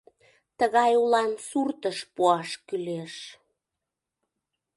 Тыгай улан суртыш пуаш кӱлеш...